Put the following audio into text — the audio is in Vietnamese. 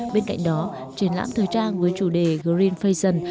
bên cạnh đó triển lãm thời trang với chủ đề green fason